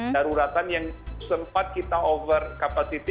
daruratan yang sempat kita over capacity